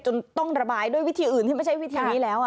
ต้องระบายด้วยวิธีอื่นที่ไม่ใช่วิธีนี้แล้ว